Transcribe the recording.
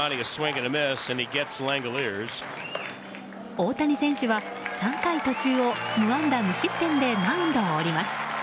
大谷選手は、３回途中を無安打無失点でマウンドを降ります。